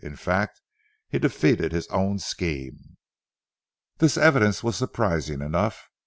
In fact he defeated his own scheme." This evidence was surprising enough.